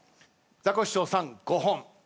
ザコシショウさん５本。